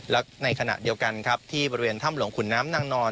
และในขณะเดียวกันครับที่บริเวณถ้ำหลวงขุนน้ำนางนอน